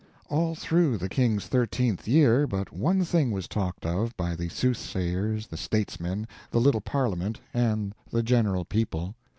All through the king's thirteenth year but one thing was talked of by the soothsayers, the statesmen, the little parliament, and the general people.